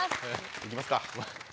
行きますか。